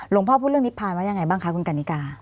หลวงพ่อพูดเรื่องนิพพานว่าอย่างไรบ้างคะคุณกัณฑิกา